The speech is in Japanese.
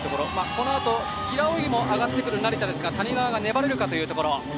このあと、平泳ぎで上がってくる成田ですが谷川が粘れるかというところ。